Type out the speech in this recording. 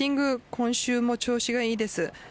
今週も調子がいいです。